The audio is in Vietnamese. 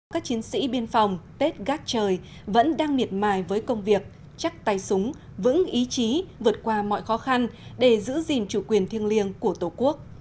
các chiến sĩ biên phòng tết gác trời vẫn đang miệt mài với công việc chắc tay súng vững ý chí vượt qua mọi khó khăn để giữ gìn chủ quyền thiêng liêng của tổ quốc